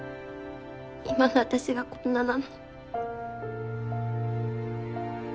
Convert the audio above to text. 今の私がこんななの。